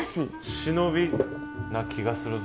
忍びな気がするぞ。